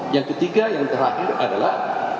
yang ketiga yang terakhir adalah